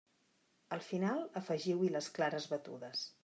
Al final afegiu-hi les clares batudes.